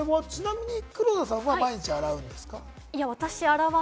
ちなみに黒田さんは毎日洗うんですか？